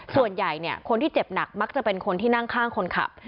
ส่วนใหญ่คนที่เจ็บหนักมักจะเป็นคนที่นั่งข้างคนขับ